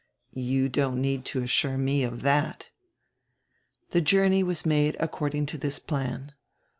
"You don't need to assure me of that." The journey was made according to this plan.